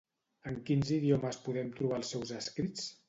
En quins idiomes podem trobar els seus escrits?